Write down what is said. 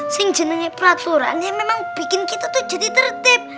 sehingga peraturan yang bikin kita jadi tertib